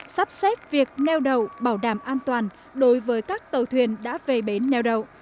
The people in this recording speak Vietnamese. sắp xếp việc neo đậu bảo đảm an toàn đối với các tàu thuyền đã về bến neo đậu